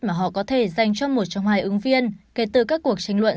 mà họ có thể dành cho một trong hai ứng viên kể từ các cuộc tranh luận